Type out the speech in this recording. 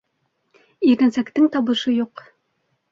Иренсәктең табышы юҡ.